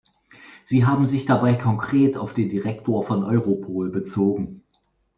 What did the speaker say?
Sie haben sich dabei konkret auf den Direktor von Europol bezogen.